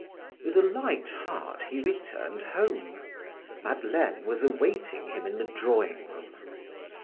With a light heart he returned home. Madeleine was awaiting him in the drawing room.